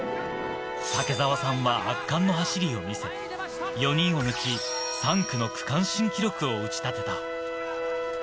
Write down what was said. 竹澤さんは圧巻の走りを見せ、４人を抜き、３区の区間新記録を打ち立てた。